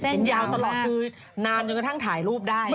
ยาวตลอดคือนานจนกระทั่งถ่ายรูปได้